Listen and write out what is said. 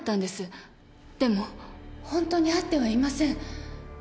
でもホントに会ってはいません。